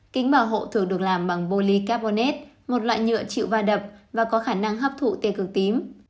kính bảo hộ thường được làm bằng polycarbonate một loại nhựa chịu va đập và có khả năng hấp thụ tia cực tím